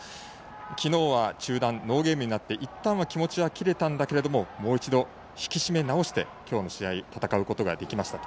きのうは中断ノーゲームになっていったんは気持ちは切れたんですが、もう一度引き締め直してきょうの試合戦うことができました。